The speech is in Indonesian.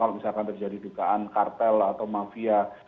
kalau misalkan terjadi dugaan kartel atau mafia